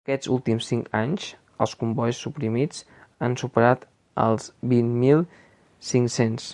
Aquests últims cinc anys, els combois suprimits han superat els vint mil cinc-cents.